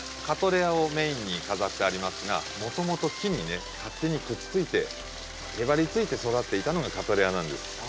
カトレアをメインに飾ってありますがもともと木にね勝手にくっついてへばりついて育っていたのがカトレアなんです。